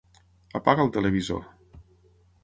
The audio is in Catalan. Apaga el televisor.